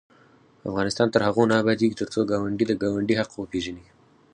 افغانستان تر هغو نه ابادیږي، ترڅو ګاونډي د ګاونډي حق وپيژني.